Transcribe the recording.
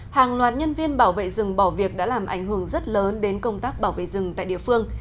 hàng loạt nhân viên bảo vệ rừng bỏ việc đã làm ảnh hưởng rất lớn đến công tác bảo vệ rừng tại địa phương